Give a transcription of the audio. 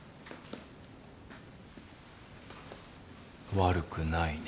悪くないね。